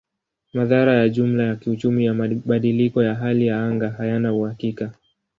Madhara ya jumla ya kiuchumi ya mabadiliko ya hali ya anga hayana uhakika.